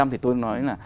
thì tôi nói là